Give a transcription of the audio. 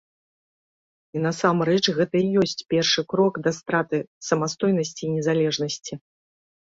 І, насамрэч, гэта і ёсць першы крок за страты самастойнасці і незалежнасці.